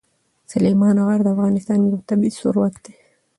سلیمان غر د افغانستان یو طبعي ثروت دی.